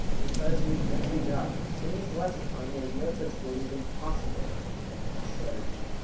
"Because he is Vincent Jopp! In his lexicon there is no such word as impossible." She shuddered.